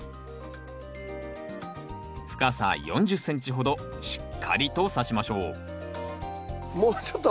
深さ４０ｃｍほどしっかりとさしましょうもうちょっと。